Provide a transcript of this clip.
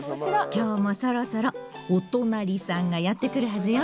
今日もそろそろおとなりさんがやって来るはずよ。